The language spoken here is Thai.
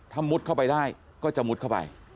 ถ้ามุดเข้าไปได้ก็จะมุดเข้าไป